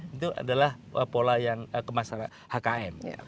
itu adalah pola yang kemasyarakat hkm